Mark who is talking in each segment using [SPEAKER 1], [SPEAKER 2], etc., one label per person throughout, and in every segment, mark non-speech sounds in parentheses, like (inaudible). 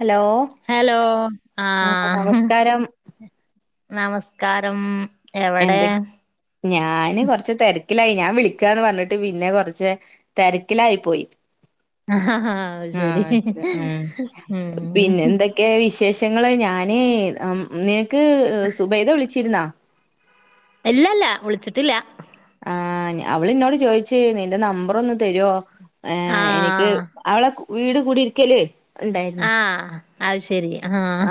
[SPEAKER 1] Hello
[SPEAKER 2] hello
[SPEAKER 1] ആ
[SPEAKER 2] ആഹ്
[SPEAKER 1] നമസ്കാരം
[SPEAKER 2] നമസ്കാരം എവിടെ
[SPEAKER 1] എന്തൊ ഞാന് കൊറച്ച് തെരക്കിലായി ഞാന് വിളിക്കാന്ന് പറഞ്ഞിട്ട് പിന്നെ കൊറച്ച് തെരക്കിലായി പോയി
[SPEAKER 2] അത്
[SPEAKER 1] ആ
[SPEAKER 2] ശരി ഉം
[SPEAKER 1] ക്കെ വിശേഷങ്ങള് ഞാന് ഉം നിനക്ക് സുബൈദ വിളിച്ചിരുന്നാ
[SPEAKER 2] ഇല്ലല്ല വിളിച്ചിട്ടില്ല.
[SPEAKER 1] ആഹ് ഞാ അവള് ഇന്നോട് ചോയിച്ച് നിന്റെ നമ്പറ് ഒന്ന് തരുവോ ഏഹ് എനിക്ക്
[SPEAKER 2] ആഹ്
[SPEAKER 1] അവളെ കു വീട് കൂടിയിരിക്കല് ഉണ്ടായിരുന്നു
[SPEAKER 2] ആഹ് അത് ശരി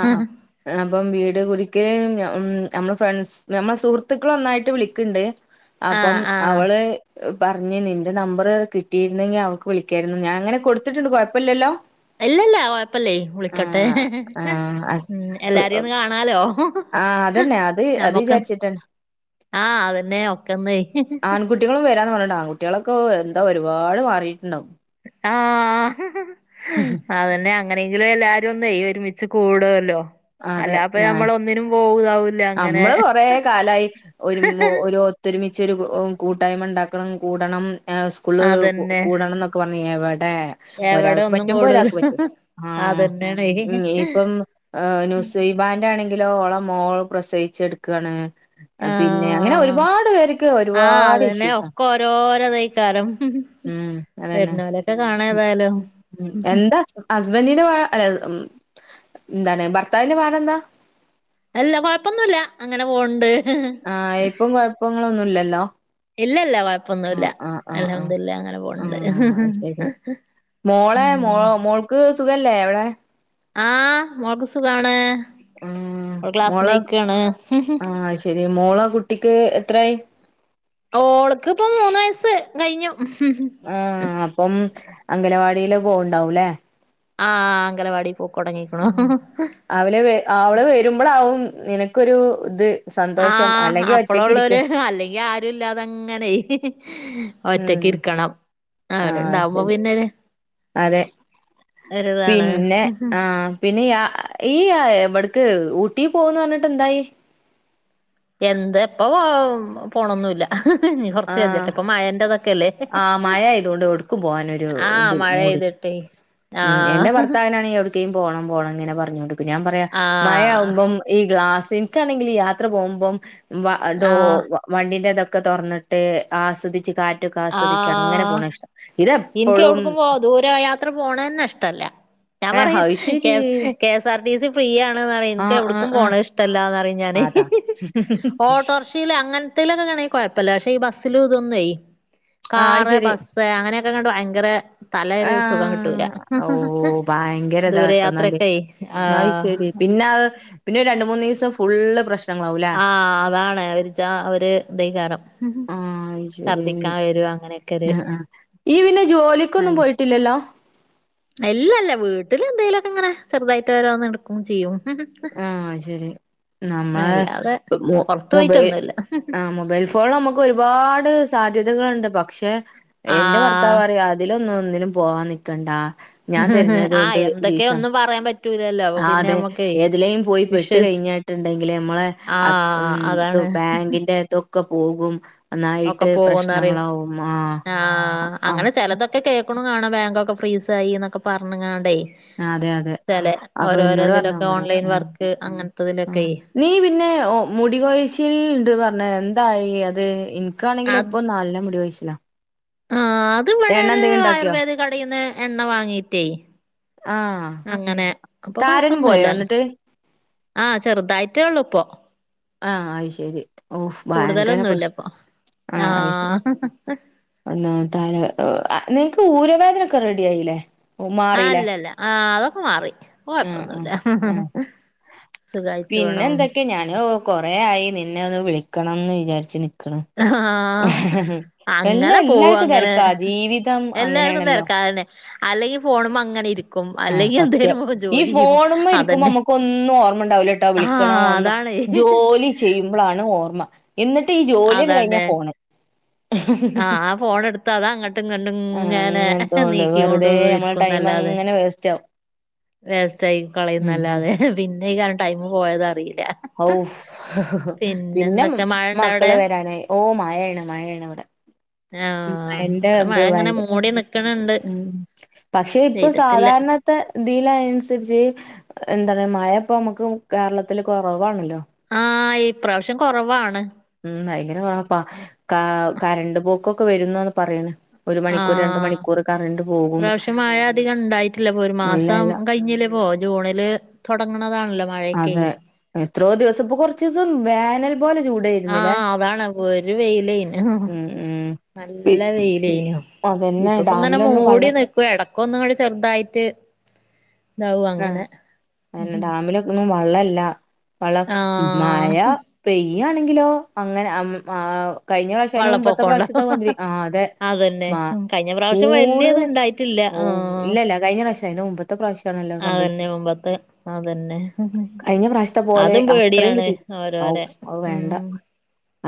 [SPEAKER 1] ആ ആ. അപ്പം വീട് കുടിയിരിക്കല് ഞ ഉം ഞമ്മള് ഫ്രണ്ട്സ് ഞമ്മളെ സുഹൃത്തുക്കളെ ഒന്നായിട്ട് വിളിക്കണ്ട് അപ്പം
[SPEAKER 2] ആഹ് ആഹ്
[SPEAKER 1] അവള് പറഞ്ഞിനി നിന്റെ നമ്പറ് കിട്ടിയിരുന്നെങ്കി അവക്ക് വിളിക്കായിരുന്നു ഞാൻ അങ്ങനെ കൊടുത്തിട്ടുണ്ട് കൊഴപ്പയില്ലല്ലോ
[SPEAKER 2] ഇല്ലല്ലാ കൊഴപ്പല്ലേ വിളിക്കട്ടെ
[SPEAKER 1] ആഹ് അസ്
[SPEAKER 2] ഉം എല്ലാരിം ഒന്ന് കാണാലോ
[SPEAKER 1] ആഹ് അതന്നെ അത് അത്
[SPEAKER 2] നമ്മുക്കും
[SPEAKER 1] വിചാരിച്ചിട്ടന്നെ
[SPEAKER 2] ആഹ് അതന്നെ ഒക്കന്ന്
[SPEAKER 1] ആൺകുട്ടികളും വരാന്ന് പറഞ്ഞിണ്ട് ആൺകുട്ടികളൊക്ക എന്താ ഒരുപാട് മാറിയിട്ടുണ്ടാവും
[SPEAKER 2] ആഹ് അതന്നെ അങ്ങനെങ്കിലും എല്ലാരും ഒന്ന് ഒരുമിച്ച് കൂടല്ലോ
[SPEAKER 1] അതെ ഞാ
[SPEAKER 2] അങ്ങനെ
[SPEAKER 1] നമ്മള് കൊറെ കാലമായി ഒരു ഒരു ഒത്തൊരുമിച്ചൊരു കൂട്ടായ്മ ഉണ്ടാക്കണം കൂടണം സ്കൂള്
[SPEAKER 2] അതന്നെ
[SPEAKER 1] കൂടണം എന്നൊക്കെ പറഞ്ഞ് എവിടെ
[SPEAKER 2] എവിടെ
[SPEAKER 1] ഒരാൾക്ക്
[SPEAKER 2] ഒന്നും
[SPEAKER 1] പറ്റുമ്പോ
[SPEAKER 2] കൂടൂല
[SPEAKER 1] ഒരാൾക്ക് പറ്റൂല്ല ആഹ്
[SPEAKER 2] അതന്നെയാണേ
[SPEAKER 1] ഇനിപ്പം നുസൈബാന്റെ ആണെങ്കിലോ ഓള മോള് പ്രസവിച്ച് കിടക്കാണ്
[SPEAKER 2] ആഹ് ആഹ്
[SPEAKER 1] ഒരുപാട്
[SPEAKER 2] അതന്നെ
[SPEAKER 1] ഇഷ്യൂസാ
[SPEAKER 2] ഒക്കെ ഓരോരോ തയിക്കറും
[SPEAKER 1] ഉം അതന്നെ
[SPEAKER 2] വെരുന്നോലൊക്കെ കാണാ ഏതായാലും
[SPEAKER 1] ഹസ്ബന്റിന്റൊ അല്ല ഉം എന്താണ് ഭർത്താവിന്റെ പാട് എന്താ
[SPEAKER 2] അല്ല കൊഴപ്പൊന്നുല്ല അങ്ങനെ പോവണ്ട്
[SPEAKER 1] ആഹ് ഇപ്പം കുഴപ്പങ്ങളൊന്നും ഇല്ലല്ലോ
[SPEAKER 2] ഇല്ല ഇല്ല കുഴപ്പൊന്നുമല്ല
[SPEAKER 1] ആഹ് ആഹ് ആഹ് ആഹ്
[SPEAKER 2] അൽഹംദുലില്ലാഹ് അങ്ങനെ പോവ്ണ്ട്
[SPEAKER 1] ആഹ് അത് ശരി മോളെ മോ മോൾക്ക് സുഖല്ലേ അവിടെ
[SPEAKER 2] ആഹ് മോളക്ക് സുഖാണ്
[SPEAKER 1] ആഹ്
[SPEAKER 2] മോൾ
[SPEAKER 1] മോളെ
[SPEAKER 2] ക്ലാസ്സിനോയിക്കാണ്
[SPEAKER 1] ആഹ് അത് ശരി മോളെ കുട്ടിക്ക് എത്രായി
[SPEAKER 2] ഓ ഓൾക്പ്പോ മൂന്ന് വയസ്സ് കഴിഞ്ഞു
[SPEAKER 1] ആഹ് അപ്പം അംഗനവാടിയി ല് പോവണ്ടാവൂല്ലേ
[SPEAKER 2] ആഹ് അംഗണവാടി പോക്കുടങ്ങിക്കണു
[SPEAKER 1] അവളെ അവള് വരുമ്പോഴാവും നിനക്കൊരു ഇത് സന്തോഷം
[SPEAKER 2] ആഹ്
[SPEAKER 1] അല്ലെങ്കി ഒറ്റക്ക് ഇരിക്ക
[SPEAKER 2] അപ്പലൊരു അല്ലെങ്കി ആരു ഇല്ലാതങ്ങനെയ്
[SPEAKER 1] ഉം
[SPEAKER 2] ഒറ്റക്കിരിക്കണം അവര്
[SPEAKER 1] ആഹ്
[SPEAKER 2] ഇണ്ടാവുമ്പോ
[SPEAKER 1] ശരി
[SPEAKER 2] പിന്നെ
[SPEAKER 1] അതെ
[SPEAKER 2] ഒരിതാണ്
[SPEAKER 1] പിന്നെ ആഹ് പിന്നെ യാ ഈ എവിടക്ക് ഊട്ടി പോകുന്ന് പറഞ്ഞിട്ട് എന്തായി
[SPEAKER 2] എന്ത് ഇപ്പൊ ഓ പോണൊന്നുമില്ല ഇനി കുറച്ച് കജാട്ടെ
[SPEAKER 1] ആഹ്
[SPEAKER 2] ഇപ്പം മയന്റെതൊക്കെ അല്ലേ
[SPEAKER 1] ആഹ് മഴ ആയതുകൊണ്ട് എവിടുക്കും പോവാനൊരു
[SPEAKER 2] ആഹ്
[SPEAKER 1] ഇതില്ല മൂടില്ല
[SPEAKER 2] മഴെയ്തിട്ടേ
[SPEAKER 1] ഉം എന്റെ
[SPEAKER 2] ആഹ്
[SPEAKER 1] ഭർത്താനാണ് എവിടക്കും ക്കേം പോണം പോണം ഇങ്ങനെ പറഞ്ഞോണ്ട് നിക്കും പിന്നെ ഞാൻ പറയാ
[SPEAKER 2] ആഹ്
[SPEAKER 1] മഴയാകുമ്പം ഈ ഗ്ലാസ് എനിക്കാണെങ്കിൽ യാത്ര പോകുബം ഈ ഡോ
[SPEAKER 2] ആഹ്
[SPEAKER 1] വണ്ടിതൊക്കെ തുറന്നിടണം ട്ട് ആസ്വദിച്ച് കാറ്റൊക്കെ ആസ്വദിച്ച് അങ്ങനെ
[SPEAKER 2] ആഹ്
[SPEAKER 1] പോണതാ ഇഷ്ടം
[SPEAKER 2] എനിക്ക്
[SPEAKER 1] ഇതെപ്പോഴും
[SPEAKER 2] എവിടക്കുമ്പോ ദൂര യാത്ര പോവണയന്നെ ഇഷ്ടല്ല ഞാൻ
[SPEAKER 1] ഏഹ്
[SPEAKER 2] പറയും
[SPEAKER 1] അത് ശരി
[SPEAKER 2] K KS R T C free ആണ്ന്ന് പറയും എനക്ക്
[SPEAKER 1] ആഹ് ആഹ്
[SPEAKER 2] എവിടക്കും
[SPEAKER 1] ആഹ്
[SPEAKER 2] പോണം ഇഷ്ടമല്ലാന്ന് പറയും ഞനയ്
[SPEAKER 1] അതാ
[SPEAKER 2] ഓട്ടോർഷൽ അങ്ങൻ അങ്ങനെതേയിലൊക്കെ അണെങ്കി കുഴപ്പമില്ല പക്ഷെ ഈ ബസ്സൽ ഇതൊന്നയി
[SPEAKER 1] ആഹ് അത്
[SPEAKER 2] കാറ്
[SPEAKER 1] ശരി
[SPEAKER 2] ബസ്സ് അങ്ങനെ അതൊക്കെ ഇങ്ങട്ട് ഭയങ്കര തല ഒരു സുഖം കിട്ടൂല
[SPEAKER 1] ആഹ് ഓഹ് ഭയങ്കര
[SPEAKER 2] ദൂരെ
[SPEAKER 1] ഇതാട്ടോ എന്നാല്
[SPEAKER 2] യാത്രൊക്കെ
[SPEAKER 1] അത്
[SPEAKER 2] ആഹ്
[SPEAKER 1] ശരി പിന്നെ അത് പിന്നെ രണ്ട് മൂന്ന് ദിവസം ഫുള്ള് പ്രശ്നങ്ങളാവൂലെ
[SPEAKER 2] ആഹ് അതാണ് അവരിച്ച ഒര് ഇതായിക്കാരം
[SPEAKER 1] ശെരി
[SPEAKER 2] ഒരു
[SPEAKER 1] ആഹ് ഇയ്യ് പിന്നെ ജോലിക്കൊന്നും പോയിട്ടില്ലല്ലോ
[SPEAKER 2] ഇല്ലല്ലാ വീട്ടിൽ എന്തെലുംക്കെ ഇങ്ങനെ ചെറുതായിട്ട് ഓരോന്ന് ക്കും ചെയ്യും
[SPEAKER 1] ആഹ് ശരി നമ്മളെ
[SPEAKER 2] അല്ലാതെ പൊറത്ത്
[SPEAKER 1] മൊബൈൽ
[SPEAKER 2] പോയിട്ടൊന്നുല്ല
[SPEAKER 1] ആഹ് മൊബൈൽ ഇപ്പോൾ നമുക്ക് ഒരുപാട് സാധ്യതകള്ണ്ട് പക്ഷെ എന്റെ ഭർത്താവ്
[SPEAKER 2] ആഹ്
[SPEAKER 1] പറയാ അ അതിലൊന്നും ഒന്നിലും പോവാൻ നിക്കണ്ട ഞാൻ തരുന്നത്
[SPEAKER 2] ആഹ്
[SPEAKER 1] കൊണ്ട്
[SPEAKER 2] എന്തൊക്കെയ
[SPEAKER 1] ജീവിച്ചാം
[SPEAKER 2] ഒന്നും പറയാൻ പറ്റൂലല്ലോ അപ്പൊ
[SPEAKER 1] ആഹ്
[SPEAKER 2] പിന്നെ
[SPEAKER 1] അതെ
[SPEAKER 2] നമ്മക്കേ
[SPEAKER 1] ഏതിലേം പോയി പെട്ട്
[SPEAKER 2] വിഷസ്
[SPEAKER 1] കഴിഞ്ഞട്ടുണ്ടെങ്കിലിൽ നമ്മളെ അ ഉം
[SPEAKER 2] ആഹ്
[SPEAKER 1] തു
[SPEAKER 2] അതാണ്
[SPEAKER 1] ബാങ്കിന്റെ തൊ ഒക്കെ പോകും
[SPEAKER 2] ഒക്കെ
[SPEAKER 1] ഒന്നായിട്ട്
[SPEAKER 2] പോകുന്നറിയും
[SPEAKER 1] പ്രശ്നങ്ങളാവും.
[SPEAKER 2] ആ
[SPEAKER 1] ആ
[SPEAKER 2] അങ്ങനെ ചെലതൊക്കെ കേ ക്കണും കാണാം ബാങ്കൊക്കെ ഫ്രീസായി എന്നൊക്കെ പറഞ്ഞങ്ങാണ്ടെ
[SPEAKER 1] അതെ അതെ.
[SPEAKER 2] ന്താലേ
[SPEAKER 1] അപ്പൊ എന്നോട് പറഞ്ഞു
[SPEAKER 2] ഓരോരോതിലൊക്കെ
[SPEAKER 1] അങ്ങനെ.
[SPEAKER 2] ഓൺലൈൻ
[SPEAKER 1] ഉം
[SPEAKER 2] വർക്ക്
[SPEAKER 1] ഉം.
[SPEAKER 2] അങ്ങനത്തെതിലൊക്കെ
[SPEAKER 1] നീ പിന്നെ മുടി കൊഴിച്ചിൽ ഇണ്ട് പറഞ്ഞ് എന്തായി അത് ഇൻ ഇക്കാണെങ്കിലോ
[SPEAKER 2] അത്
[SPEAKER 1] ഇപ്പോ നല്ല മുടി കൊഴിച്ചില
[SPEAKER 2] ആഹ് അത് ഇവിടെ ഒരു
[SPEAKER 1] ഇണ്ടാക്കിയോ?
[SPEAKER 2] ആയുർവേദ കടേന്ന് എണ്ണ വാങ്ങീട്ടേ
[SPEAKER 1] ആ
[SPEAKER 2] അങ്ങനെ ഇപ്പൊ
[SPEAKER 1] താരനും പോയോ
[SPEAKER 2] കൊഴപ്പൊന്നുല്ല
[SPEAKER 1] എന്നിട്ട്?
[SPEAKER 2] ആ ചെറുതായിട്ടേ ഉള്ളൂ ഇപ്പൊ
[SPEAKER 1] ആ അയ് ശരി ഓഫ് ഭയങ്കര
[SPEAKER 2] കൂടുതലൊന്നുല്ല
[SPEAKER 1] പ്രശ്ന
[SPEAKER 2] ഇപ്പൊ
[SPEAKER 1] ആ അയ് ശ
[SPEAKER 2] ആഹ്
[SPEAKER 1] ഒന്നാമത്തെ അയിന് എ അ നിങ്ങക്ക് ഊരവേദനൊക്കെ റെഡി ആയില്ലേ ഓ,
[SPEAKER 2] ആ
[SPEAKER 1] മാറിയില്ലേ?
[SPEAKER 2] അല്ലല്ല ആ അതൊക്കെ മാറി ഡ ഇപ്പോ
[SPEAKER 1] ആഹ് ആഹ്
[SPEAKER 2] കൊയപ്പൊന്നുല്ല
[SPEAKER 1] ആഹ് പിന്നെ എന്തൊക്കെ ഞാന് കൊറെ ആയി നിന്നെ ഒന്ന് വിളിക്കണംന്ന് വിചാരിച്ചു നിക്കണ്
[SPEAKER 2] ആ ആ ആ
[SPEAKER 1] എല്ലാ
[SPEAKER 2] അങ്ങനെ പോവും
[SPEAKER 1] എല്ലാർക്കും
[SPEAKER 2] അങ്ങനെ
[SPEAKER 1] തെരക്കാ ജീവിതം
[SPEAKER 2] എല്ലാർക്കും
[SPEAKER 1] അങ്ങനെയാണല്ലോ
[SPEAKER 2] തെരക്കായോണ്ടെ അല്ലെങ്കിൽ ഫോണുമ്മ അങ്ങനെ ഇരിക്കു
[SPEAKER 1] ആ സത്യം ഈ ഫോണുമ്മ ഇരിക്കുമ്പോ
[SPEAKER 2] അതന്നെ
[SPEAKER 1] മ്മുക്ക് ഒന്നും ഓർമ്മ ഉണ്ടാവൂലാട്ടോ
[SPEAKER 2] ആ
[SPEAKER 1] വിളിക്കണോ ഒന്നും
[SPEAKER 2] അതാണ്
[SPEAKER 1] ജോലി ചെയ്യുമ്പോളാണ് ഓർമ്മ എന്നിട്ട് ഈ ജോലി അണ്ട് കഴിഞ്ഞ
[SPEAKER 2] അതന്നെ
[SPEAKER 1] ഫോണ്
[SPEAKER 2] ആ ആ ഫോൺ എടുത്ത് അത് അങ്ങട്ടും ഇങ്ങട്ടും
[SPEAKER 1] ആ
[SPEAKER 2] ഇങ്ങനെ
[SPEAKER 1] അങ്ങനത്തോണ്ട്
[SPEAKER 2] നീക്കിയോണ്ട്
[SPEAKER 1] വെറുതെ നമ്മള ടൈം അങ്ങനെ വേസ്റ്റ് ആവും
[SPEAKER 2] വേസ്റ്റായി
[SPEAKER 1] ഉം
[SPEAKER 2] കളയുന്നല്ലാതെ പിന്നെ ഈ കാരണം ടൈറ് പോയത് അറിയില്ല
[SPEAKER 1] ഔഫ് പിന്നെ
[SPEAKER 2] എന്തൊക്കെ മഴ ഇണ്ട അവിടെ
[SPEAKER 1] മക്കള് വരാനായി ഓ മയാണ് മയാണ് ഇവടെ
[SPEAKER 2] ആ
[SPEAKER 1] ഉം മഴേൻ്റെ
[SPEAKER 2] ഇവിടെ
[SPEAKER 1] ഇത്
[SPEAKER 2] മഴ ഇങ്ങനെ
[SPEAKER 1] ഭയങ്ക
[SPEAKER 2] മൂടി നിക്കണ് ണ്ട്
[SPEAKER 1] ഉം പക്ഷെ ഇപ്പൊ
[SPEAKER 2] പെയ്തിട്ടില്ല
[SPEAKER 1] സാധാരണ ത്തെതിലയനുസരിച്ച് എന്താണ് മയപ്പോ മുക്ക് കേരളത്തില് കൊറവാണല്ലോ
[SPEAKER 2] ആഹ് ഇപ്രാവശ്യം കൊറവാണ്
[SPEAKER 1] ഉം ഭയങ്കര കൊറവാപ്പ ക കരണ്ട് പോക്കൊക്കെ വരുന്നാണ് പറയണ് ഒരു മണിക്കൂർ രണ്ട്
[SPEAKER 2] ആഹ്
[SPEAKER 1] മണിക്കൂർ കറ
[SPEAKER 2] ഇപ്രാവശ്യം മഴ അധികം ഇണ്ടായിട്ടില്ല ഇപ്പൊ ഒരു
[SPEAKER 1] ഇല്ല
[SPEAKER 2] മാസം
[SPEAKER 1] ഇല്ല
[SPEAKER 2] കഴിഞ്ഞില്ലേ പ്പോ ജൂണില് തൊടങ്ങണതാണല്ലോ മ
[SPEAKER 1] അതെ എത്രോ ദിവസം പ്പൊ കൊറച്ചീസം വേനൽ പോലെ
[SPEAKER 2] ആ
[SPEAKER 1] ചൂടായിരുന്നില്ലേ
[SPEAKER 2] അതാണ് പൊരി വെയിലേനു
[SPEAKER 1] ഉം ഉം പി
[SPEAKER 2] നല്ല വെയിലേനു
[SPEAKER 1] അതന്നെ
[SPEAKER 2] ഇപ്പപ്പോ ഇങ്ങനെ
[SPEAKER 1] ഡാമിലൊന്നും
[SPEAKER 2] മൂടി
[SPEAKER 1] വെള്ളം
[SPEAKER 2] നി ക്കും എടക്കൊന്നുങ്ങട് ചെറുതായിട്ട് ഇതാവും അങ്ങനെ മ് മ് മ്
[SPEAKER 1] ന്നും വെള്ളം ഇല്ല വെള്ളം മ് മയ
[SPEAKER 2] ആഹ്
[SPEAKER 1] പെയ്യാണെങ്കിലോ അങ്ങനെ മ് ആ കഴിഞ്ഞ പ്രാവശ്യം അതിന് മുമ്പത്തെ
[SPEAKER 2] വെള്ളപ്പൊക്കോണ്ടവും
[SPEAKER 1] പ്രാവശ്യത്തെ മാതിരി ആഹ് അതെ
[SPEAKER 2] അതന്നെ
[SPEAKER 1] മാ
[SPEAKER 2] കഴിഞ്ഞ പ്രാവശ്യം വല്യത്ണ്ടായി ഇല്ല ആ
[SPEAKER 1] ഇല്ല ഇല്ല കഴിഞ്ഞരാശ്യം അയിന് മുമ്പത്തെ പ്രാവശ്യം നല്ലോം സംഭവിച്ചു
[SPEAKER 2] അതന്നെ മുമ്പത്തെ അതന്നെ
[SPEAKER 1] കഴിഞ്ഞ പ്രാവശ്യത്തെ പോലെ
[SPEAKER 2] അതും
[SPEAKER 1] അത്രയും
[SPEAKER 2] പേടിയാണ്
[SPEAKER 1] കിട്ടി
[SPEAKER 2] ഓരോരെ
[SPEAKER 1] ഔഫ് അവ് വേണ്ട
[SPEAKER 2] ഉം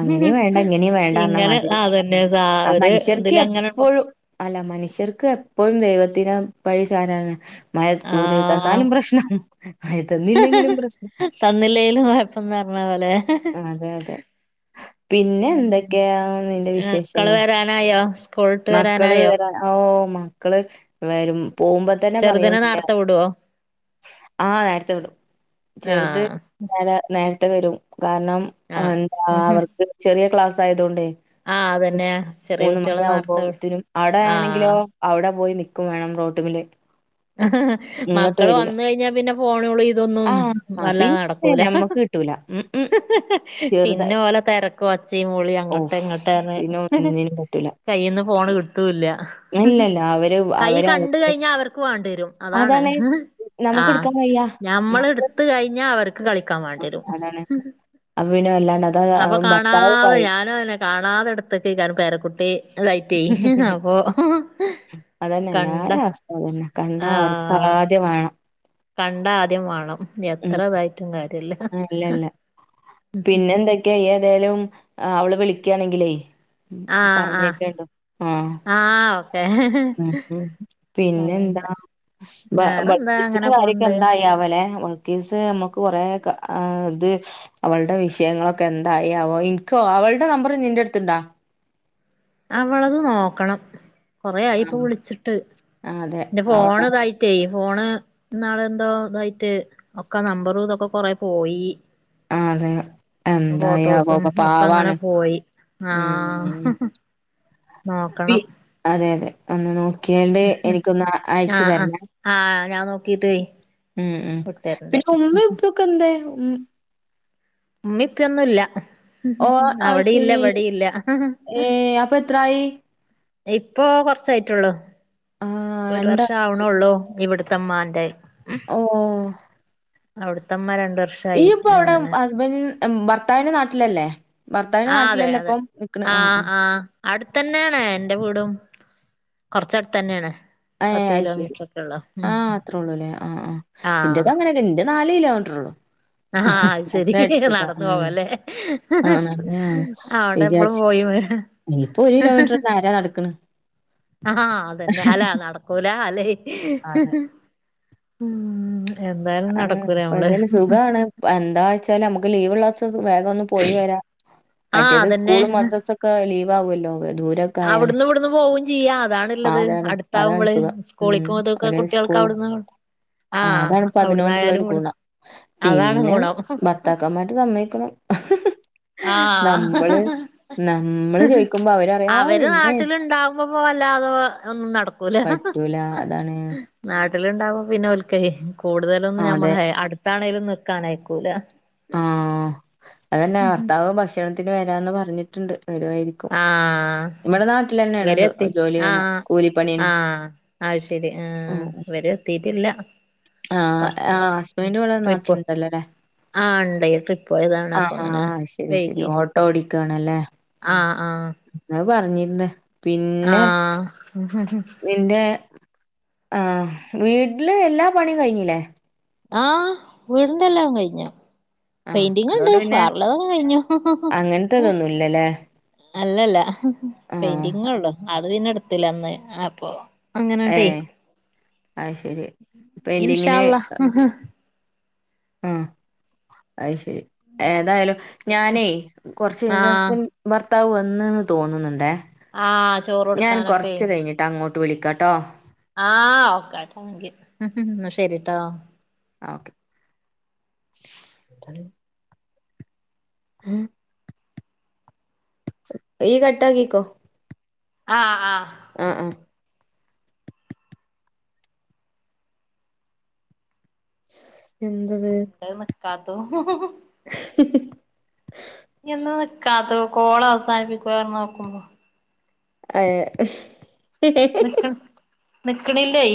[SPEAKER 1] അങ്ങനീം വേണ്ട ഇങ്ങനീം
[SPEAKER 2] ഇങ്ങനെ
[SPEAKER 1] വേണ്ടന്നമാതിരി
[SPEAKER 2] അതന്നെ സ
[SPEAKER 1] ആ
[SPEAKER 2] ഒരു
[SPEAKER 1] മനുഷ്യർക്ക്
[SPEAKER 2] ഇതിലങ്ങനെ
[SPEAKER 1] എപ്പഴും അല്ല മനുഷ്യർക്ക് എപ്പഴും ദൈവത്തിനെ പഴി ചാരാന മഴ കൂടുതൽ
[SPEAKER 2] ആഹ്
[SPEAKER 1] തന്നാലും പ്രശ്നം മഴ തന്നില്ലെങ്കിലും പ്രശ്നം
[SPEAKER 2] തന്നില്ലേലും കൊയ പ്പംന്ന് പറഞ്ഞ പോലെ
[SPEAKER 1] അതെ അതെ പിന്നെ
[SPEAKER 2] ഉം
[SPEAKER 1] എന്തൊക്കെയാ നിന്റെ
[SPEAKER 2] മക്കള്
[SPEAKER 1] വിശേഷങ്ങള്
[SPEAKER 2] വരാനായോ സ്കൂളിട്ട്
[SPEAKER 1] മക്കള്
[SPEAKER 2] വരാനായോ
[SPEAKER 1] വരാ ഓ മക്കള് വര പോകുമ്പോ തന്നെ പറയും
[SPEAKER 2] ചെറുതിനെ
[SPEAKER 1] ല്ല
[SPEAKER 2] നേർത്തെ വിടുവോ
[SPEAKER 1] ആ നേരത്തെ വിടും ചെറുത്
[SPEAKER 2] ആഹ്
[SPEAKER 1] നേരത്തെ വരും കാരണം
[SPEAKER 2] ആഹ്
[SPEAKER 1] എന്താ അവർക്ക് ചെറിയ ക്ലാസ് ആയതൊണ്ടേ
[SPEAKER 2] ആഹ് അതന്നെ ചെറിയ
[SPEAKER 1] മൂന്ന്
[SPEAKER 2] കുട്ടികളെ
[SPEAKER 1] മണിയ ആവുമ്പോ
[SPEAKER 2] നേർത്തെ വി
[SPEAKER 1] ഒത്തിരും അവിടെയാണെങ്കിലോ
[SPEAKER 2] ആഹ്
[SPEAKER 1] അവിടെ പോയി നിക്കും വേണം റോട്ടില്
[SPEAKER 2] മക്കള് വന്ന കഴിഞ്ഞാ പിന്നെ ഫോണുകള് ഇതൊന്നും നല്ലാതെ നടക്കൂല
[SPEAKER 1] ല ഉ ചെറുത
[SPEAKER 2] പിന്നെ ഓലെ തെരക്കും ഒച്ചയും വിളിയും
[SPEAKER 1] ഓഫ
[SPEAKER 2] അങ്ങട്ട്
[SPEAKER 1] പിന്നെ നിന് പറ്റൂല (unintelligible)
[SPEAKER 2] കൈയിന്ന് പോണ് കിടുത്തൂല്ല
[SPEAKER 1] ഇല്ലല്ല അവര്
[SPEAKER 2] കൈ
[SPEAKER 1] അവര്
[SPEAKER 2] കണ്ട
[SPEAKER 1] അവരുടെ
[SPEAKER 2] കഴിഞ്ഞാ അവർക്ക് വേണ്ടി വരും അതാണ്
[SPEAKER 1] നമുക്ക്
[SPEAKER 2] ആഹ്
[SPEAKER 1] എടുക്കാൻ വയ്യ.
[SPEAKER 2] ഞമ്മൾ
[SPEAKER 1] നമ്മള്
[SPEAKER 2] എടുത്ത കഴിഞ്ഞാ അവർക്ക് കളിക്കാൻ വേണ്ടിരും
[SPEAKER 1] അനല്ലാ (unintelligible)
[SPEAKER 2] അപ്പൊ കാണാതെ ഞാനും അന്നെ കാണാതെ എടുത്തൊക്ക കാരണം പേരക്കുട്ടി റ്റ അപ്പോൾ (unintelligible)
[SPEAKER 1] അതന്നെ എല്ലാരും അവസ്ഥ അതന്നെ കണ്ടാ
[SPEAKER 2] ആഹ്
[SPEAKER 1] അവർക്കദ്യ വേണം
[SPEAKER 2] കണ്ട ആദ്യം വേണം എത്ര
[SPEAKER 1] ഉം.
[SPEAKER 2] ഇതായിട്ടും കാര്യല്ല
[SPEAKER 1] ആ ക്ക ഏതായലും അവള് വിളിക്കുകയാണെങ്കിലേ
[SPEAKER 2] ആഹ്
[SPEAKER 1] പറഞ്ഞിക്കണ്ടോ ആഹ
[SPEAKER 2] ഏഹ്
[SPEAKER 1] ഉ പിന്നെ
[SPEAKER 2] വേറെന്താ
[SPEAKER 1] എന്താളിച്ച
[SPEAKER 2] അങ്ങനെ
[SPEAKER 1] കാര്യൊക്കെ
[SPEAKER 2] പോണ്ട്
[SPEAKER 1] എന്തായ ലെൾക്കേസ് നമുക്ക് കുറേ ഇത് അവളുടെ വിഷയങ്ങളൊക്കെ എന്തായാവോ എനിക്ക അവളുടെ നമ്പർ നിന്റെ അടുത്ത്ണ്ടാ
[SPEAKER 2] അവളത് നോക്കണം കൊറ ആയിപ്പോ
[SPEAKER 1] ആഹ്
[SPEAKER 2] വിളിച്ചിട്ട്
[SPEAKER 1] ആഹ് അതെ
[SPEAKER 2] എന്റെ
[SPEAKER 1] അവള
[SPEAKER 2] ഫോണിത ടെലിഫോണ് എന്നള എന്തോ ഇതായിട്ട് ഒക്കെ നമ്പറ ഇതൊക്കെ കൊറെ പോയി
[SPEAKER 1] ആഹ് അതെ എന്തായി ആവോ
[SPEAKER 2] ഫോട്ടോസും
[SPEAKER 1] പ-
[SPEAKER 2] ഒക്കെ അങ്ങനെ
[SPEAKER 1] പാവാണ്
[SPEAKER 2] പോയി ആഹ
[SPEAKER 1] ഉം പി
[SPEAKER 2] നോക്കണം
[SPEAKER 1] അതെ അതെ ഒന്ന് നോക്കിയണ്ട് എനിക്കൊന്ന് അയച്ചു
[SPEAKER 2] ആഹ് ആഹ്
[SPEAKER 1] തരണം
[SPEAKER 2] ആഹ് ഞാൻ നോക്കീട്ടേ
[SPEAKER 1] ഉം ഉം
[SPEAKER 2] വിട്ടരണ്ട്
[SPEAKER 1] പിന്നെ ഉമ്മ ഇപ്പൊക്കെ എന്താ
[SPEAKER 2] ഇപ്പൊന്നുമല്ല
[SPEAKER 1] ഓ
[SPEAKER 2] അവിടെയില്ല
[SPEAKER 1] അയ്ശരി.
[SPEAKER 2] അടെയില്ല
[SPEAKER 1] ഏഹ് അപ്പൊ എത്രായി?
[SPEAKER 2] ഇപ്പൊ കൊറച്ചായിട്ടുള്ളൂ
[SPEAKER 1] ആഹ്
[SPEAKER 2] ഒരു
[SPEAKER 1] രണ്ട
[SPEAKER 2] വർഷം ആവണള്ളൂ ഇവിടു തമ്മന്റെ
[SPEAKER 1] ഓ
[SPEAKER 2] അവിടത്തെമ്മ രണ്ട വർഷം
[SPEAKER 1] ഈയിപ്പൊ അവിടെ ഹസ്ബൻഡ ഭർത്താവിന്റെ നാട്ടിലല്ലേ ഭർത്താവിന്റെ
[SPEAKER 2] ആ
[SPEAKER 1] നാട്ടിലല്ല ഇപ്പം നിൽക്കണ് ആ ആ
[SPEAKER 2] അടുത്ത തന്നെയാണ് എറെ വീടും കുറച്ച അടുത്ത് തന്നെയാണ്
[SPEAKER 1] ഏ അ ഐശ്ശരി ആ അത്രേ ഉള്ളൂല്ലേ ആഹ് ആ ഇന്റെത് അങ്ങനെയൊക്കെ ഉണ്ട് നാല് കിലോമീറ്റർ ഉള്ളൂ
[SPEAKER 2] ആ അത് ശരി
[SPEAKER 1] അത്ര എടുത്തക്ക
[SPEAKER 2] നടന്നു
[SPEAKER 1] ഉ
[SPEAKER 2] പോവാല്ലേ
[SPEAKER 1] ആ
[SPEAKER 2] അവിടെ എപ്പളും
[SPEAKER 1] വിചാരിച്ച
[SPEAKER 2] പോയി വരാ
[SPEAKER 1] യിപ്പൊ ഒരു കിലോമീറ്റർ നേരാ നടക്കണ്
[SPEAKER 2] ആഹ് അതന്നെ അല നടക്കൂല അല്ല
[SPEAKER 1] അതെ. ആതേലും സുഖമാണ് എന്താ വെച്ചാല് നമുക്ക് ലീവ്ള്ളച്ച വേഗം ഒന്ന് പോയി വരാ
[SPEAKER 2] ആ
[SPEAKER 1] മറ്റേത്
[SPEAKER 2] അതന്നെ
[SPEAKER 1] സ്കൂളും മദ്രാസ ഒക്കെ ലീവ് ആകുമല്ലോ ദൂരൊ
[SPEAKER 2] അവിടുന്ന് ഇവിടുന്ന് പോകും ചെയ്യാം അതാണള്ളത്
[SPEAKER 1] അതാണ് അതാണ്
[SPEAKER 2] അടുത്താവുമ്പോള്
[SPEAKER 1] സുഖം ഉം
[SPEAKER 2] സ്കൂളിക്കുമ്പോ അത
[SPEAKER 1] ഒരേ
[SPEAKER 2] കുട്ടികൾക്ക് അവിടന്ന് ആ
[SPEAKER 1] പതിനൊണ്ടുള്ള ഒരു
[SPEAKER 2] അവിടുന്നായാലും ഇവിടു
[SPEAKER 1] ഗുണം
[SPEAKER 2] അതാണ്
[SPEAKER 1] പിന്നെ
[SPEAKER 2] ഗുണം
[SPEAKER 1] ഭർത്താക്കന്മാര് സമ്മക്കണം നമ്മള്
[SPEAKER 2] ആഹ്
[SPEAKER 1] നമ്മള് ചോദിക്കുമ്പോ അവരറിയ
[SPEAKER 2] അവര് നാട്ടില്ണ്ടാവുമ്പോപ്പോ വല്ലാതെ ഒന്നും നടക്കൂല
[SPEAKER 1] പറ്റൂല അതാണ്
[SPEAKER 2] ന്നാട്ടിലുണ്ടാവുമ്പോ പിന്നെ ഉൽക്കെയ്
[SPEAKER 1] ആ,
[SPEAKER 2] കൂടുതലൊന്നും
[SPEAKER 1] അതെ
[SPEAKER 2] ഞമ്മളെ അടുത്താണെലും ന്നിക്കനയക്കൂല.
[SPEAKER 1] ആഹ് അതന്നെ ഭർത്താവ് ഭക്ഷണത്തിന് വരാന്ന് പറഞ്ഞിട്ടുണ്ട് വരുവായിരിക്
[SPEAKER 2] ആഹ്
[SPEAKER 1] ഇവുടെ ന്നാട്ടിലെന്നെണ്ത്
[SPEAKER 2] ഇവരെത്തി
[SPEAKER 1] ജോലിയ്യ്ണ് കൂലിപ്പണീനെ
[SPEAKER 2] അയ്ശെരി ആഹ് ഇവരെ എത്തിട്ടില്ല
[SPEAKER 1] ആഹ്
[SPEAKER 2] കൊറച്ച്
[SPEAKER 1] ആഹ് ഹസ്ബൻഡ് ഇവടെ
[SPEAKER 2] ട്രിപ്പ്
[SPEAKER 1] നാട്ടിലുണ്ടല്ലോലെ
[SPEAKER 2] ആഹ് ഇണ്ടെയ് ട്രിപ്പോയതാണ് അപ്പൊ ഇങ്ങനെ വൈകി
[SPEAKER 1] ട്ടോടിക്കാണല്ലേ
[SPEAKER 2] ആഹ് ആഹ്
[SPEAKER 1] അത് പറഞ്ഞിര്ന്ന്
[SPEAKER 2] ആഹ്
[SPEAKER 1] നിന്റെ ആഹ് വീട്ട്ല് എല്ലാ പണിം കഴിഞ്ഞിലെ
[SPEAKER 2] ആഹ് വീടിന്റെല്ലാം കഴിഞ്ഞു
[SPEAKER 1] ആഹ്
[SPEAKER 2] പെയിന്റിങ്ങ്ണ്ട്
[SPEAKER 1] അതോണ്ട് പിന്നെ
[SPEAKER 2] വേറെള്ളൊതൊക്കെ കഴിഞ്ഞു
[SPEAKER 1] അങ്ങനത്തെതൊന്നുല്ലല്ലേ?
[SPEAKER 2] അല്ലല്ല
[SPEAKER 1] ആഹ്
[SPEAKER 2] പെയിന്റിങ്ങൊള്ളു അത് പിന്നെ ഇട്ത്തിലെ അന്ന് അപ്പൊ അങ്ങനെട്ടെ
[SPEAKER 1] ഏഹ് അയ്ശെരി
[SPEAKER 2] ഇൻഷാ
[SPEAKER 1] പെയിന്റിങ്ങ്ന്
[SPEAKER 2] അള്ളാ
[SPEAKER 1] ആഹ് ആഹ് അയ്ശെരി ഏതായാലും ഞാനേ കൊർച്ച് കഴിഞ്ഞിട്ട്
[SPEAKER 2] ആഹ്
[SPEAKER 1] ഹസ്ബൻ ഭർത്താവ് വന്ന്ന്ന് തോന്നുന്നുണ്ടേ
[SPEAKER 2] ആഹ് ചോറോട്ക്കാനൊക്കെയ്
[SPEAKER 1] ട്ടങ്ങോട്ട് വിളിക്കാട്ടോ
[SPEAKER 2] ആഹ് ഓക്കെ ട്ടാങ്ക് യു ന്നശെരിട്ടോ
[SPEAKER 1] ആഹ് ഓക്കെ ഉം ഈ കട്ടാക്കിക്കോ
[SPEAKER 2] ആഹ് ആഹ്
[SPEAKER 1] ആഹ് ആഹ് എന്ത്ത്
[SPEAKER 2] അയ് നിക്കാത്തു
[SPEAKER 1] (unintelligible)
[SPEAKER 2] ഈ എന്ന നിക്കാത്തു കോളവസാനിപ്പിക്കുന്ന് പറഞ്ഞ് നോക്കുമ്പോ
[SPEAKER 1] എഹ്
[SPEAKER 2] നിക്ക്ൺ നിക്ക്ണ്ല്ലെയ്